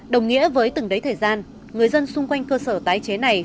đồng nghĩa với từng đấy thời gian người dân xung quanh cơ sở tái chế này